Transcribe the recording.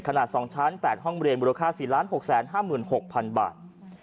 ขนาด๒ชั้น๘ห้องเรียนมูลค่า๔๖๕๖๐๐๐บาท